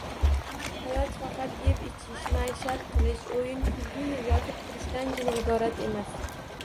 Hayot faqat yeb-ichish, maishat qilish, o‘yin-kulgiyu yotib-turishdangina iborat emas.